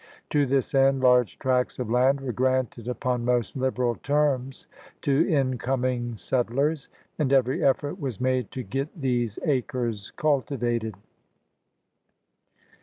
To this end large tracts of land were granted upon most liberal terms to incoming settlers, and every effort was made to get these acres cultivated.